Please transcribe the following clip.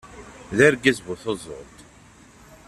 D argaz bu tuẓult.